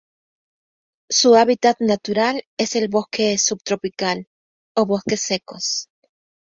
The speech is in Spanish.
Su hábitat natural es el bosque subtropical o bosques secos.